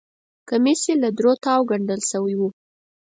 کمیس یې له درو تاوو ګنډل شوی و.